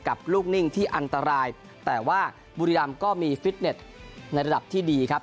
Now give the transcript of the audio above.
กับลูกนิ่งที่อันตรายแต่ว่าบุรีรำก็มีฟิตเน็ตในระดับที่ดีครับ